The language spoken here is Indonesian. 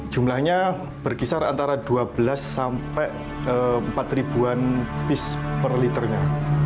jumlahnya berkisar antara dua belas sampai empat ribuan pis per liternya